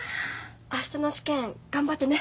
明日の試験頑張ってね。